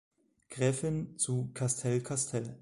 Gräfin zu Castell-Castell.